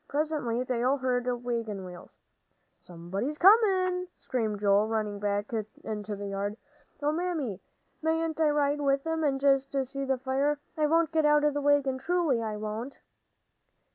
Presently they all heard wagon wheels. "Somebody's comin'!" screamed Joel, running back into the yard. "Oh, Mammy, mayn't I ride with 'em and just see the fire? I won't get out of the wagon; truly, I won't."